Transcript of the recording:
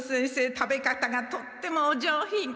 食べ方がとってもお上品。